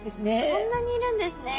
そんなにいるんですね。